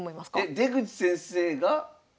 えっ出口先生が？